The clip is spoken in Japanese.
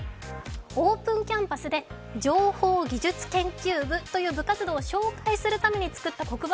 オープンキャンパスで情報技術研究部という部活を紹介するために作った黒板